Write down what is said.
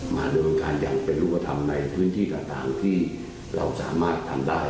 ดำเนินการอย่างเป็นรูปธรรมในพื้นที่ก็ตามที่เราสามารถทำได้